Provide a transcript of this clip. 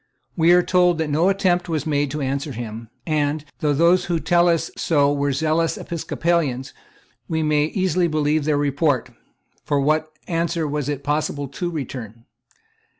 We are told that no attempt was made to answer him; and, though those who tell us so were zealous Episcopalians, we may easily believe their report; for what answer was it possible to return?